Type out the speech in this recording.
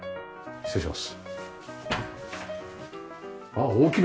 失礼します。